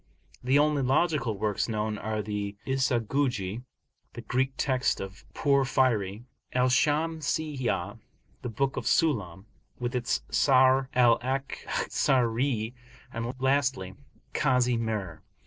The only logical works known are the Isaghuji (the [Greek text] of Porphyry), Al Shamsiyah, the book Al Sullam, with its Sharh Al Akhzari, and, lastly, Kazi Mir.